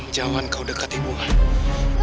jangan kau dekat ikhwan